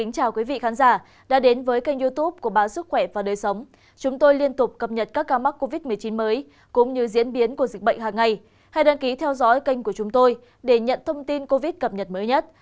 các bạn hãy đăng ký kênh của chúng tôi để nhận thông tin cập nhật mới nhất